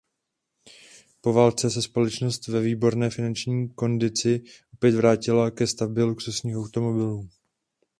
Po válce se společnost ve výborné finanční kondici opět vrátila ke stavbě luxusních automobilů.